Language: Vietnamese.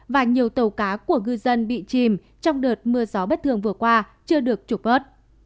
và nhiều tàu cá của ngư dân bị chìm trong đợt mưa gió bất thường vừa qua chưa được trục vớt